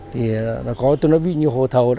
tôi nói với nhiều hồ thầu